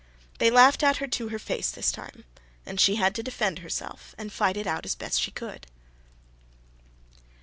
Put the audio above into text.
They laughed at her to her face this time; and she had to defend herself and fight it out as best she could.